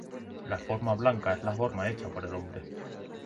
La forma blanca es la forma hecha por el hombre.